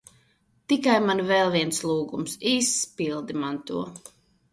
Tikai man vēl viens lūgums. Izpildi man to.